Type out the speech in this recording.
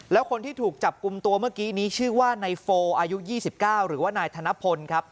แล้วคนที่ถูกจับกลุ่มตัวเมื่อกี้นี้ชื่อว่านายโฟอายุ๒๙หรือว่านายธนพลครับ